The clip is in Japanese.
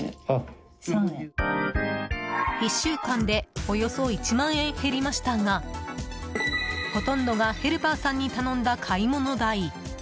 １週間でおよそ１万円減りましたがほとんどがヘルパーさんに頼んだ買い物代。